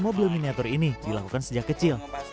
mobil miniatur ini dilakukan sejak kecil